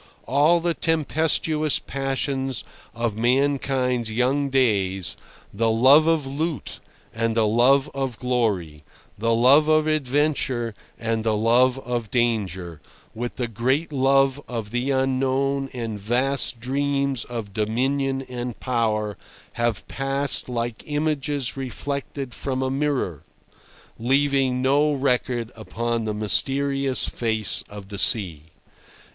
All the tempestuous passions of mankind's young days, the love of loot and the love of glory, the love of adventure and the love of danger, with the great love of the unknown and vast dreams of dominion and power, have passed like images reflected from a mirror, leaving no record upon the mysterious face of the sea.